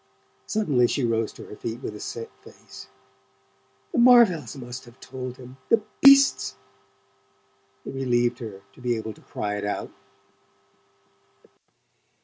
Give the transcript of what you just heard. Suddenly she rose to her feet with a set face. "The Marvells must have told him the beasts!" It relieved her to be able to cry it out.